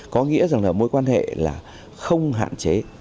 có nghĩa rằng là mối quan hệ là không hạn chế